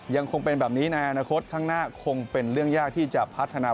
ยังคงเป็นแบบนี้ในอนาคตข้างหน้าคงเป็นเรื่องยากที่จะพัฒนา